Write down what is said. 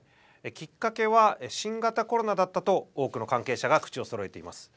きっかけは新型コロナだったと多くの関係者が口をそろえています。